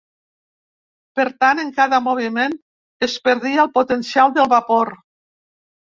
Per tant, en cada moviment es perdia el potencial del vapor.